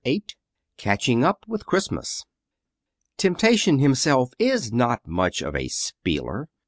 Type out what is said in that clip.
VIII CATCHING UP WITH CHRISTMAS Temptation himself is not much of a spieler.